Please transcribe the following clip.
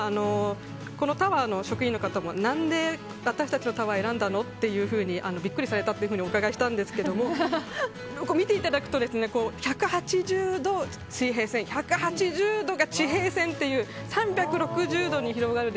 このタワーの職員の方も何で私たちのタワーを選んだのっていうふうにビックリされたとお伺いしたんですが見ていただくと、１８０度水平線１８０度が地平線っていう３６０度に広がる